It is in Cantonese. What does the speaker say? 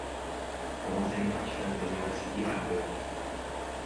我四圍唱你有屎架喎